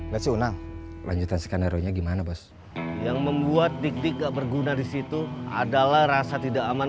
⁇ tsional lanjutan skenario nya gimana bos yang membuat dik dik gak berguna disitu adalah rasa tidak aman